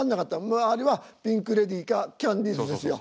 周りはピンク・レディーかキャンディーズですよ。